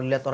ya lah kak